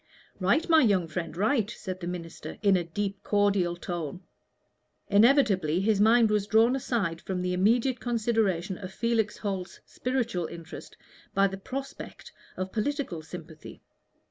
"Right, my young friend, right," said the minister, in a deep cordial tone. Inevitably his mind was drawn aside from the immediate consideration of Felix Holt's spiritual interest by the prospect of political sympathy.